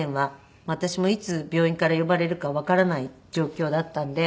私もいつ病院から呼ばれるかわからない状況だったんで。